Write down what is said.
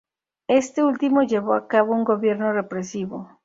Este último llevó a cabo un gobierno represivo.